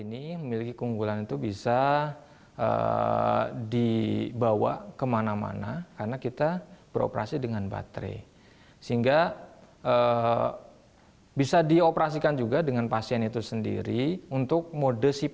hal ini memiliki keunggulan untuk dipakai ke mana mana karena kita beroperasi dengan baterai sehingga bisa dioperasikan juga dengan pasien untuk mode sipap tapi untuk control harus pengawasan dokter